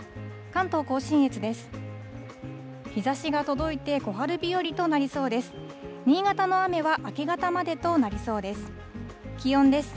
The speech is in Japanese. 関東甲信越です。